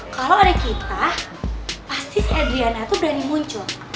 kalau ada kita pasti si adriana tuh berani muncul